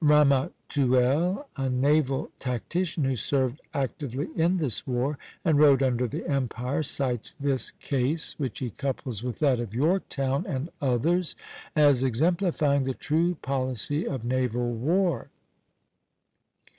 Ramatuelle, a naval tactician who served actively in this war and wrote under the Empire, cites this case, which he couples with that of Yorktown and others, as exemplifying the true policy of naval war.